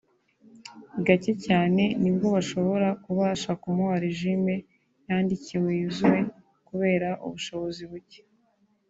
Gacye cyane nibwo bashobora kubasha kumuha regime yandikiwe yuzuye kubera ubushobozi bucye